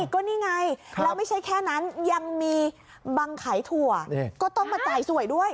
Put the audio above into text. ก็นี่ไงแล้วไม่ใช่แค่นั้นยังมีบังขายถั่วก็ต้องมาจ่ายสวยด้วย